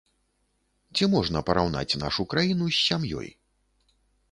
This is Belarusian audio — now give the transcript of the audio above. Ці можна параўнаць нашу краіну з сям'ёй?